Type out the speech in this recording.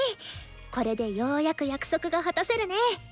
これでようやく約束が果たせるね！